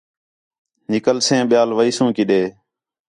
نِکلسے ٻِیال ویسوں کِݙے